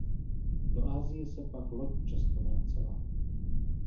Do Asie se pak loď často vracela.